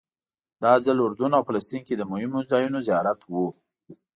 دا ځل اردن او فلسطین کې د مهمو ځایونو زیارت و.